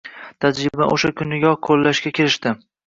Tajribani o‘sha kuniyoq qo‘llashga kirishdi.